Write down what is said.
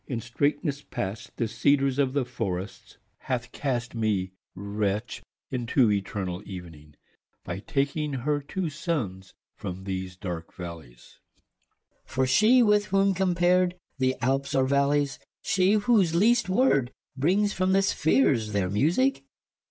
In straightnes past the Cedars of the forrests , Hath cast me wretch into eternall evening. By taking her two Sunnes from these darke vallies. 142 ARCADIA. LIB. i. For she , to whom compar'd , the Alpes are v allies, Klaius. She , whose lest word brings from the spheares their musique.